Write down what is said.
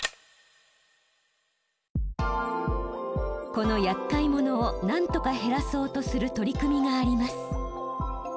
このやっかい者を何とか減らそうとする取り組みがあります。